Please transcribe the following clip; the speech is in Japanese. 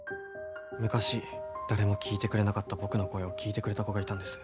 昔誰も聞いてくれなかった僕の声を聞いてくれた子がいたんです。